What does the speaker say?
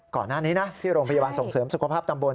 ก่อนหน้านี้นะที่โรงพยาบาลส่งเสริมสุขภาพตำบล